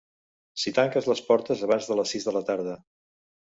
Si tanques les portes abans de les sis de la tarda.